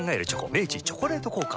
明治「チョコレート効果」